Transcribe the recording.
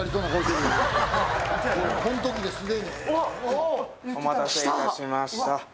お待たせいたしました。